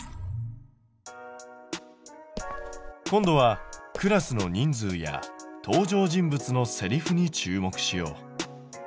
今度はクラスの人数や登場人物のセリフに注目しよう。